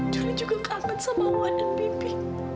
juli juga kaget sama wawa dan bibi